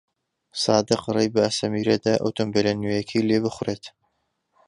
سادق ڕێی بە سەمیرە دا ئۆتۆمۆبیلە نوێیەکەی لێ بخوڕێت.